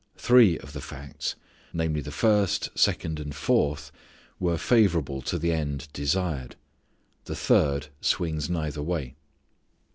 Three of the facts, namely, the first, second, and fourth were favourable to the end desired. The third swings neither way.